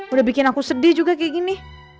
udah bikin aku sedih juga kayak gini